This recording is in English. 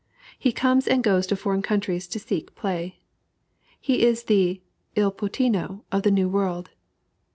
He comes and goes to foreign countries to seek play. He is the "Il Puttino" of the New World.